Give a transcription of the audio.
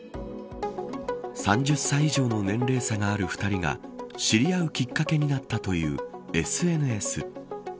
３０歳以上の年齢差がある２人が知り合うきっかけとなったというＳＮＳ。